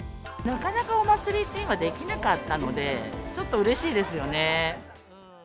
なかなかお祭りって、今できなかったので、ちょっとうれしいですよね。